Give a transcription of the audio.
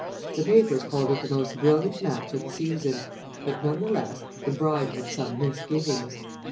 The papers called it the most brilliant match of the season, but, none the less, the bride had some misgivings.